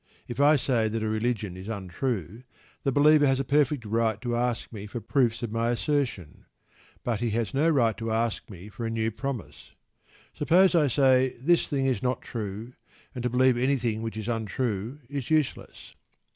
If I say that a religion is untrue, the believer has a perfect right to ask me for proofs of my assertion; but he has no right to ask me for a new promise. Suppose I say this thing is not true, and to believe anything which is untrue is useless.